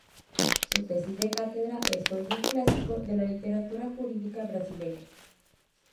Su tesis de cátedra es, hoy, un clásico de la literatura jurídica brasileña.